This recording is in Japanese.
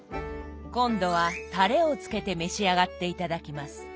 今度はたれをつけて召し上がって頂きます。